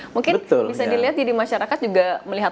mungkin bisa dilihat jadi masyarakat juga melihat